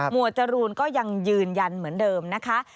วดจรูนก็ยังยืนยันเหมือนเดิมนะคะ